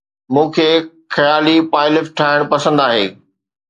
مون کي خيالي پائلف ٺاهڻ پسند آهي